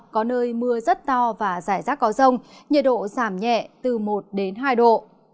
có nơi mưa rất to và dài rác có rông nhiệt độ giảm nhẹ từ một hai độ